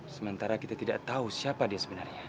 sementara kita tidak tahu siapa dia sebenarnya